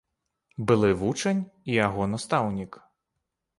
Былы вучань і яго настаўнік.